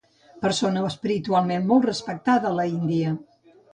Persona espiritualment molt respectada a l'Índia.